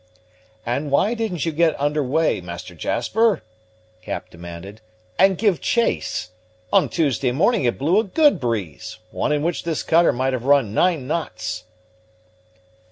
"And why didn't you get under weigh, Master Jasper," Cap demanded, "and give chase? On Tuesday morning it blew a good breeze; one in which this cutter might have run nine knots."